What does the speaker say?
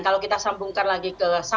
kalau kita sambungkan lagi ke satu